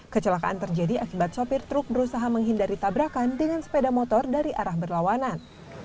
kecelakaan terjadi akibat sopir truk berusaha menghindari tabrakan dengan sepeda motor dari arah berlawanan